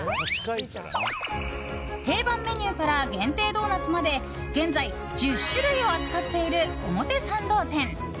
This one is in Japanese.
定番メニューから限定ドーナツまで現在１０種類を扱っている表参道店。